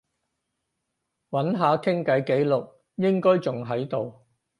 揾下傾偈記錄，應該仲喺度